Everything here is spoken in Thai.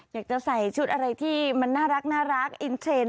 อยากจะใส่ชุดอะไรที่มันน่ารักอินเทรนด์